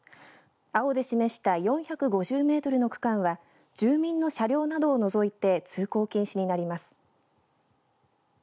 青で示した４５０メートルの区間は住民の車両などを除いて通行禁止になります。